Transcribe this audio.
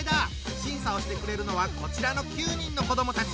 審査をしてくれるのはこちらの９人の子どもたち。